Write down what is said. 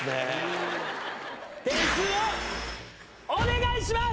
点数をお願いします！